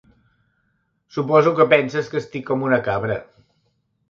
Suposo que penses que estic com una cabra.